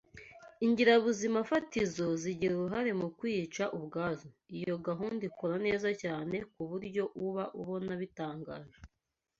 Ingirabuzimafatizo zigira uruhare mu kwiyica ubwazo. Iyo gahunda ikora neza cyane ku buryo uba ubona bitangaje